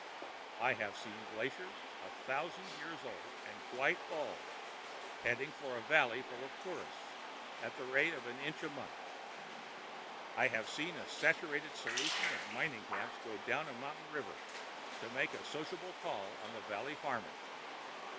I have seen glaciers, a thousand years old and quite bald, heading for a valley full of tourists at the rate of an inch a month. I have seen a saturated solution of mining camp going down a mountain river, to make a sociable call on the valley farmers.